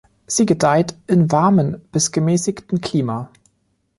Sie gedeiht in warmen bis gemäßigten Klima.